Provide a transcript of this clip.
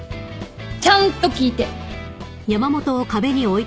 ちゃんと聞いて。